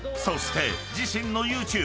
［そして自身の］